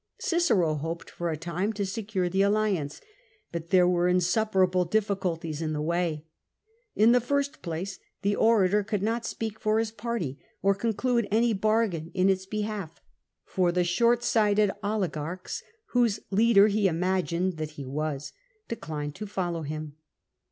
Cicero hoped for a time to secure the alliance, but there were insuperable ditliculties in the way. In the first place, the orator could not speak for his party or conclude any bargain in its behalf, for the short sighted oligarchs, whose lea.der ho imagined that he was, declined to follow him.